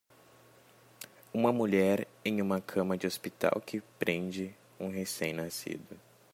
Uma mulher em uma cama de hospital que prende um recém-nascido.